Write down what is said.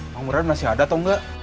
pak murad masih ada atau enggak